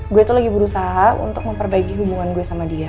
gue itu lagi berusaha untuk memperbaiki hubungan gue sama dia